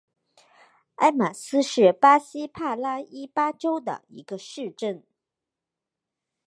埃马斯是巴西帕拉伊巴州的一个市镇。